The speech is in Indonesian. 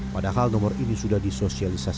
padahal nomor ini sudah disosialisasikan